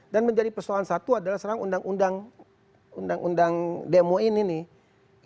dan menjadi persoalan satu adalah sekarang undang undang demo ini nih